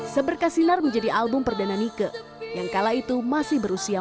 seberkas sinar menjadi album perdana nika yang kala itu masih berusia empat belas tahun